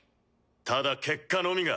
ただ結果のみが。